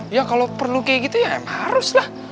ya kalau perlu kayak gitu ya emang harus lah